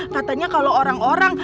katanya kalau orang orang